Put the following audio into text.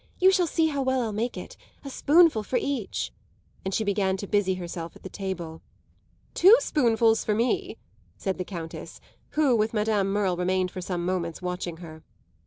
"You shall see how well I'll make it. A spoonful for each." And she began to busy herself at the table. "Two spoonfuls for me," said the Countess, who, with Madame Merle, remained for some moments watching her.